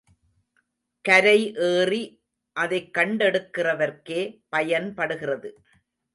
கரை ஏறி அதைக் கண்டெடுக்கிறவர்க்கே பயன்படுகிறது.